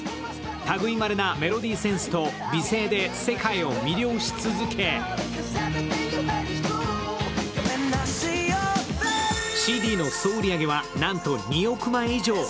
類いまれなメロディーセンスと美声で世界を魅了し続けＣＤの総売り上げは、なんと２億枚以上。